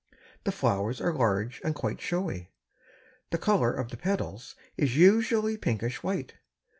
The flowers are large and quite showy. The color of the petals is usually pinkish white.